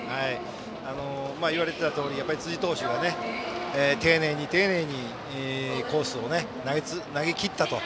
言われていたとおりやっぱり辻投手が丁寧に、丁寧にコースを投げきったと。